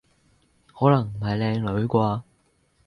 可能唔係靚女啩？